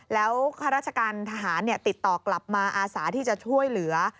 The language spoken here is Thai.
แล้วข้าราชการทหารติดต่อกลับมาอาสาที่จะช่วยเหลือ